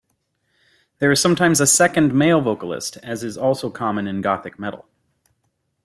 There is sometimes a second, male vocalist, as is also common in gothic metal.